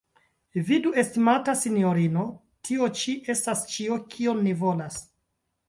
Vidu, estimata sinjorino, tio ĉi estas ĉio, kion ni volas!